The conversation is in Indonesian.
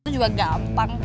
itu juga gampang kek